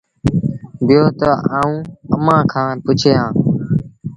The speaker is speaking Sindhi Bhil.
بيٚهو تا آئوٚݩ اَمآݩ کآݩ پُڇي آن۔